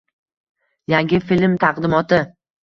Yangi film taqdimoti